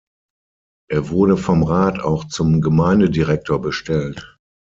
Er wurde vom Rat auch zum Gemeindedirektor bestellt.